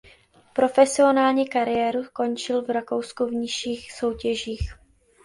Profesionální kariéru končil v Rakousku v nižších soutěžích.